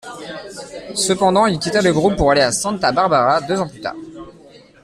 Cependant, il quitta le groupe pour aller à Santa Barbara, deux ans plus tard.